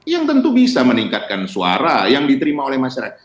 yang tentu bisa meningkatkan suara yang diterima oleh masyarakat